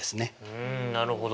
うんなるほど。